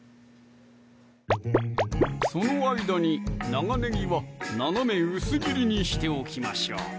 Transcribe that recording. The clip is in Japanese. その間に長ねぎは斜め薄切りにしておきましょう！